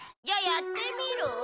じゃあやってみる？